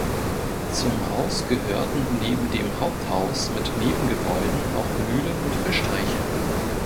Zum Haus gehörten neben dem Haupthaus mit Nebengebäuden auch Mühlen und Fischteiche.